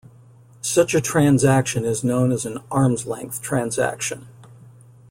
Such a transaction is known as an "arm's-length transaction".